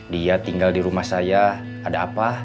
dia tinggal di rumah saya ada apa